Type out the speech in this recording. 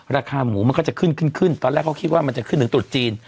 ราคาหมูมันก็จะขึ้นขึ้นตอนแรกเขาคิดว่ามันจะขึ้นถึงตรุษจีน